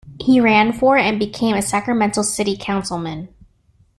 He ran for and became a Sacramento city councilman.